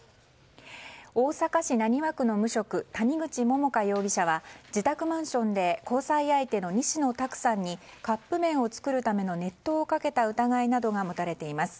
大阪市浪速区の無職谷口桃花容疑者は自宅マンションで交際相手の西野太九さんにカップ麺を作るための熱湯をかけた疑いなどが持たれています。